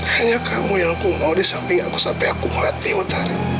hanya kamu yang aku mau di samping aku sampai aku melatih utara